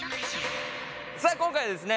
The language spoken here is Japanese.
さあ今回はですね